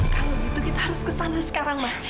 kalau gitu kita harus ke sana sekarang mas